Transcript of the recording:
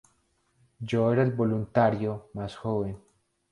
Yo era el voluntario más joven.